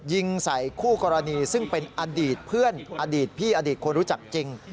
ยิงใส่คู่กรณีซึ่งเป็นอดีตเพื่อนอดีตพี่อดีตคนรู้จักจริง